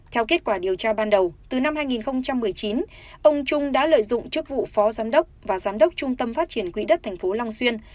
theo kết quả điều tra ban đầu từ năm hai nghìn một mươi chín ông trung đã lợi dụng chức vụ phó giám đốc và giám đốc trung tâm phát triển quỹ đất tp long xuyên